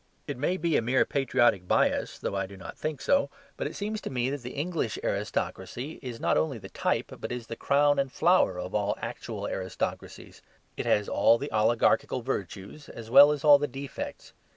It may be a mere patriotic bias, though I do not think so, but it seems to me that the English aristocracy is not only the type, but is the crown and flower of all actual aristocracies; it has all the oligarchical virtues as well as all the defects.